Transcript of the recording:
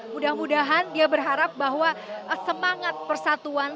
mudah mudahan dia berharap bahwa semangat persatuan